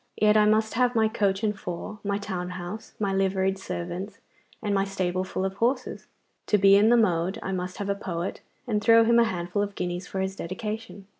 Yet I must have my coach and four, my town house, my liveried servants, and my stable full of horses. To be in the mode I must have my poet, and throw him a handful of guineas for his dedication.